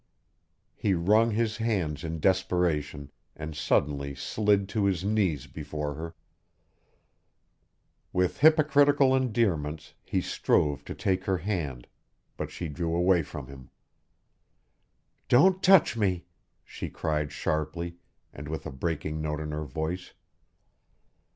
He wrung his hands in desperation and suddenly slid to his knees before her; with hypocritical endearments he strove to take her hand, but she drew away from him. "Don't touch me," she cried sharply and with a breaking note in her voice.